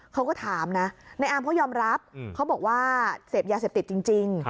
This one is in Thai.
เขาก็ถามนะในอาร์มเขายอมรับเขาบอกว่าเสพยาเสพติดจริง